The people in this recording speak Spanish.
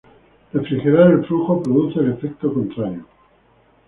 Refrigerar el flujo produce el efecto contrario.